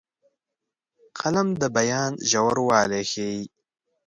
قلم د بیان ژوروالی ښيي